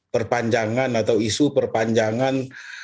perpanjangan atau isu perpanjangan